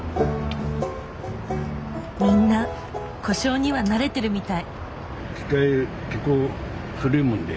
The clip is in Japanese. みんな故障には慣れてるみたい。